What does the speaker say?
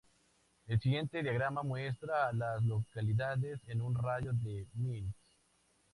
El siguiente diagrama muestra a las localidades en un radio de de Mills.